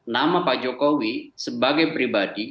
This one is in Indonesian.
nama pak jokowi sebagai pribadi